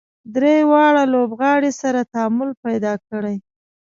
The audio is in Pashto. درې واړه لوبغاړي سره تعامل پیدا کړي.